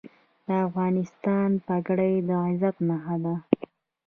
د افغانستان پګړۍ د عزت نښه ده